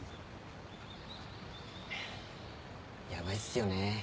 やばいっすよね。